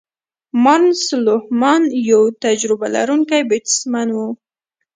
مارنس لوهمان یو تجربه لرونکی بیټسمېن وو.